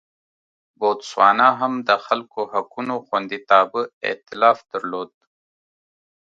بوتسوانا هم د خلکو حقونو خوندیتابه اېتلاف درلود.